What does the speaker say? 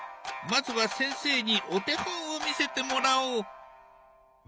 まずは先生にお手本を見せてもらおう。